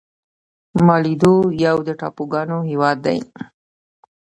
مالدیو یو د ټاپوګانو هېواد دی.